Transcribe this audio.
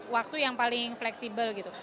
waktu yang paling fleksibel gitu